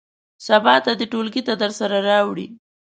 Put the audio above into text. سبا ته دې ټولګي ته درسره راوړي.